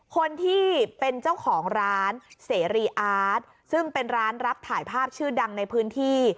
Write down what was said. คนที่เป็นเจ้าของร้านเสรีอาร์ตซึ่งเป็นร้านรับถ่ายภาพชื่อดังในพื้นที่